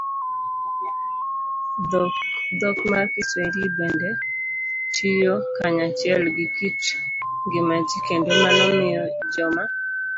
Dhok mar Kiswahili bende tiyo kanyachiel gi kit ngima ji, kendo mano miyo joma